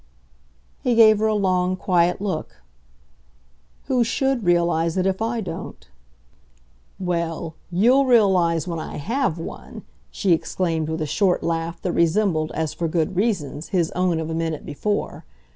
He gave her a long, quiet look. "Who SHOULD realise if I don't?" "Well, you'll realise when I HAVE one!" she exclaimed with a short laugh that resembled, as for good reasons, his own of a minute before.